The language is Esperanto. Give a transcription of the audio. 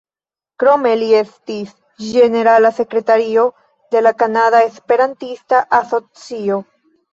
Krome, li estis ĝenerala sekretario de la Kanada Esperantista Asocio.